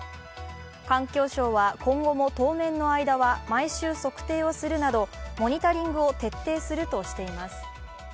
環境省は今後も当面の間は毎週測定をするなどモニタリングを徹底するとしています。